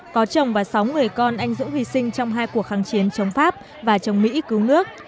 có chồng và sáu người con anh dũng hy sinh trong hai cuộc kháng chiến chống pháp và chống mỹ cứu nước